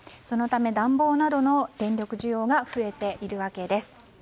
そのため暖房などの電力需要が増えているわけです。